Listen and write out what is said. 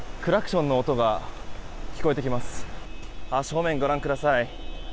正面、ご覧ください。